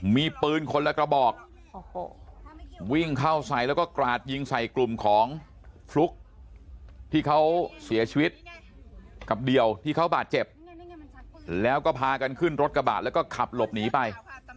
มีปืนคนละกระบอกวิ่งเข้าใส่แล้วก็กราดยิงใส่กลุ่มของฟลุ๊กที่เขาเสียชีวิตกับเดี่ยวที่เขาบาดเจ็บแล้วก็พากันขึ้นรถกระบะแล้วก็ขับหลบหนีไป